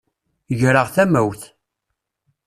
Greɣ tamawt.